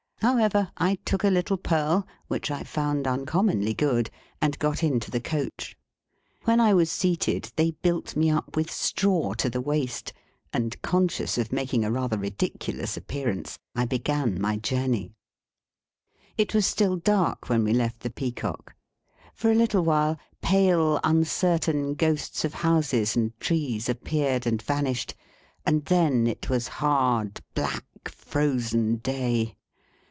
However, I took a little purl (which I found uncommonly good), and got into the coach. When I was seated, they built me up with straw to the waist, and, conscious of making a rather ridiculous appearance, I began my journey. It was still dark when we left the Peacock. For a little while, pale, uncertain ghosts of houses and trees appeared and vanished, and then it was hard, black, frozen day.